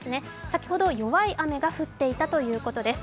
先ほど弱い雨が降っていたということです。